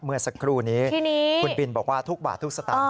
เมื่อสักครู่นี้คุณบินบอกว่าทุกบาททุกสตางค